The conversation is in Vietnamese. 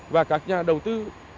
và các nhà đầu tư ba mươi